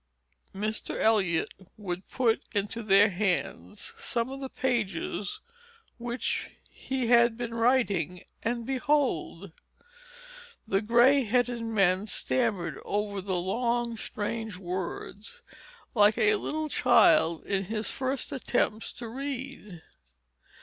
Mr. Eliot would put into their hands some of the pages, which he had been writing; and behold! the gray headed men stammered over the long, strange words, like a little child in his first attempts to read.